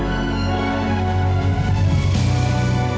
menjaga umur dan pendampingan dokter